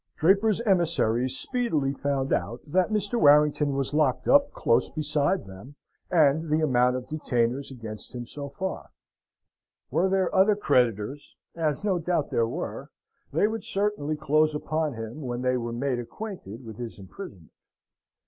Draper's emissaries speedily found out that Mr. Warrington was locked up close beside them, and the amount of detainers against him so far. Were there other creditors, as no doubt there were, they would certainly close upon him when they were made acquainted with his imprisonment.